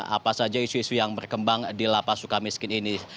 apa saja isu isu yang berkembang di lapas suka miskin ini